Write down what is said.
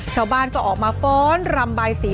ชาวบ้านก็ออกมาฟ้อนรำบายสี